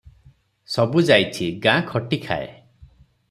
ସବୁ ଯାଇଛି ଗାଁ ଖଟି ଖାଏ ।